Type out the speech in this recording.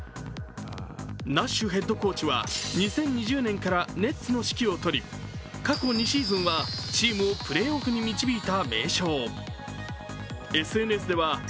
ナッシュヘッドコーチは２０２０年からネッツの指揮をとり過去２シーズンはチームをプレーオフに導いた名将。